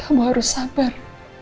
kamu harus sabar